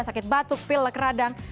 sakit batuk pil lekeradang